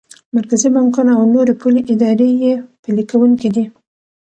مرکزي بانکونه او نورې پولي ادارې یې پلي کوونکی دي.